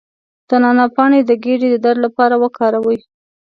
د نعناع پاڼې د ګیډې د درد لپاره وکاروئ